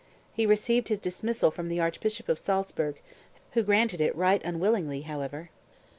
He received his dismissal from the Archbishop of Salzburg, who granted it right unwillingly, however.)